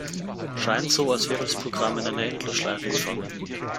Scheint so, als wäre das Programm in einer Endlosschleife gefangen.